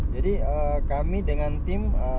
jadi kami dengan tim